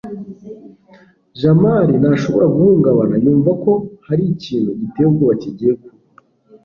jamali ntashobora guhungabana yumva ko hari ikintu giteye ubwoba kigiye kuba